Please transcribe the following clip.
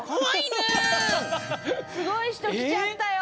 すごい人来ちゃったよ。